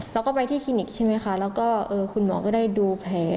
เราก็ไปที่คลินิกใช่ไหมคะแล้วก็คุณหมอก็ได้ดูแผล